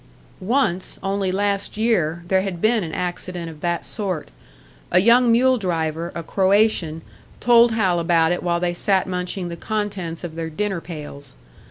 Once, only last year, there had been an accident of that sort. A young mule driver, a Croatian, told Hal about it while they sat munching the contents of their dinner pails.